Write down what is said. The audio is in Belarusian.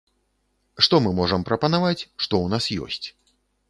Што мы можам прапанаваць, што ў нас ёсць.